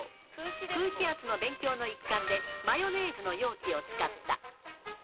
空気圧の勉強の一環で、マヨネーズの容器を使った。